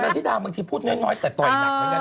ธิดาบางทีพูดน้อยแต่ต่อยหนักเหมือนกัน